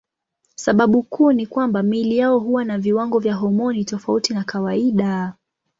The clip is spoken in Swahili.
Sababu kuu ni kwamba miili yao huwa na viwango vya homoni tofauti na kawaida.